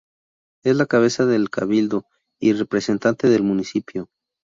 Es la cabeza del cabildo y representante del Municipio.